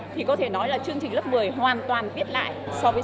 thì có thể nói là chương trình lớp một mươi hoàn toàn viết lại so với trước